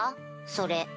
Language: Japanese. それ。